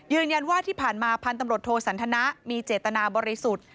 ยืนยันว่าที่ผ่านมาพันธุ์ตำรวจโทสันทนะมีเจตนาบริสุทธิ์